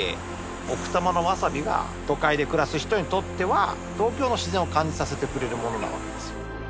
奥多摩のワサビが都会で暮らす人にとっては東京の自然を感じさせてくれるものなわけですよ。